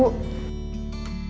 hidup selalu baik